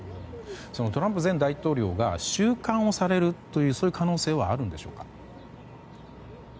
トランプ前大統領が収監されるという可能性はあるんでしょうか。